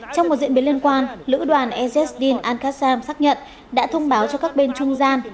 trong một diễn biến liên quan lữ đoàn ezdin al qassam xác nhận đã thông báo cho các bên trung gian